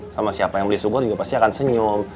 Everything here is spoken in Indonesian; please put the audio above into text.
sama siapa yang beli sugot gue pasti akan senyum